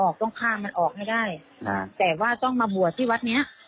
ก็ใช้มาที่วัด